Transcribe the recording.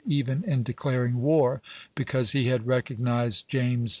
even in declaring war, because he had recognized James III.